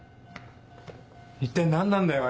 一体何なんだよ？